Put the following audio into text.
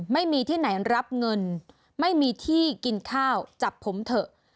ไม่มีที่ไหนรับเงินไม่มีที่กินข้าวจับผมเถอะ